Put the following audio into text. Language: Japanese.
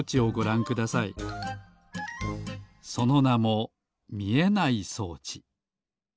そのなもみえない装置。